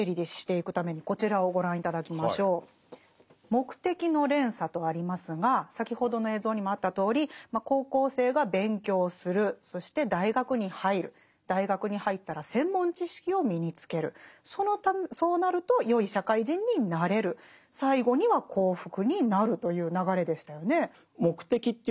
「目的の連鎖」とありますが先ほどの映像にもあったとおり高校生が勉強するそして大学に入る大学に入ったら専門知識を身につけるそうなるとよい社会人になれる最後には幸福になるという流れでしたよね。